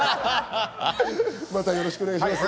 またよろしくお願いします。